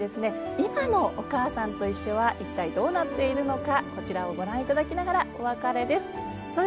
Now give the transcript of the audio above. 今の「おかあさんといっしょ」は一体どうなっているのかこちらをご覧いただきながらお別れです。